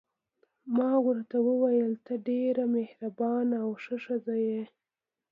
ما ورته وویل: ته ډېره مهربانه او ښه ښځه یې.